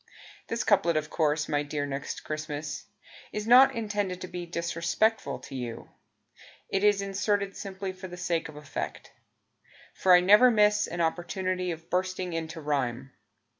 This couplet, of course. My dear Next Christmas, Is not intended to be Disrespectful to you; It is inserted simply For the sake of effect. For I never miss an opportunity Of bursting into rhyme.